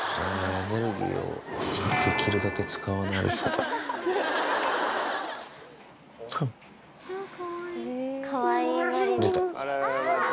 エネルギーを、できるだけ使わない歩き方。出た。